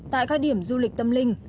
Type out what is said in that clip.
tại các điểm du lịch tâm linh